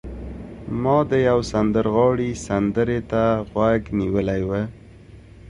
ما د یو سندرغاړي سندرې ته غوږ نیولی و